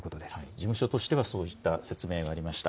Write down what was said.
事務所としては、そういった説明がありました。